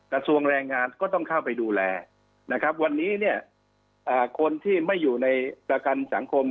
กระทรวงแรงงานก็ต้องเข้าไปดูแลนะครับวันนี้เนี่ยคนที่ไม่อยู่ในประกันสังคม